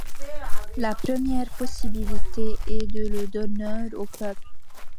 La première possibilité est de le donner au peuple.